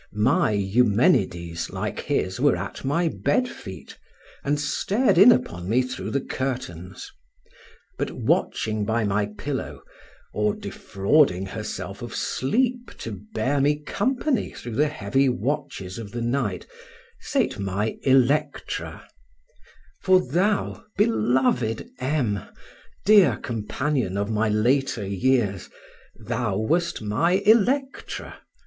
My Eumenides, like his, were at my bed feet, and stared in upon me through the curtains; but watching by my pillow, or defrauding herself of sleep to bear me company through the heavy watches of the night, sate my Electra; for thou, beloved M., dear companion of my later years, thou wast my Electra!